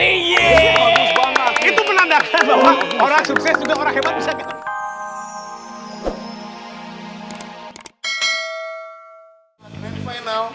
itu penandakan bahwa orang sukses juga orang hebat bisa